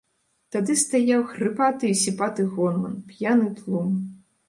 Тады стаяў хрыпаты і сіпаты гоман, п'яны тлум.